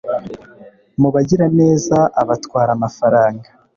Mu bagiraneza abatwara amafaranga